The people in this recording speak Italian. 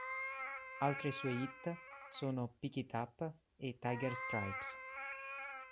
Altre sue hit sono "Pick It Up" e "Tiger Stripes".